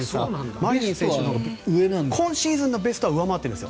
マリニン選手は今シーズンのベストは上回っているんです。